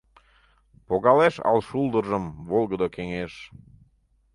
Погалеш ал шулдыржым Волгыдо кеҥеж.